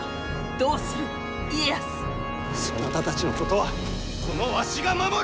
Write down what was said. どうする家康そなたたちのことはこのわしが守る！